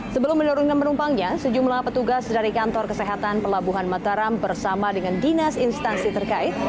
sebelum menurunkan penumpangnya sejumlah petugas dari kantor kesehatan pelabuhan mataram bersama dengan dinas instansi terkait